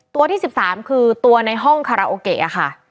ตัวที่๑๓คือตัวในห้องคาราโอเกะค่ะ